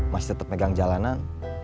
masih tetap pegang jalanan